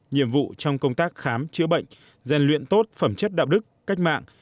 nhiệm vụ trong công tác khám chữa bệnh gian luyện tốt phẩm chất đạo đức cách mạng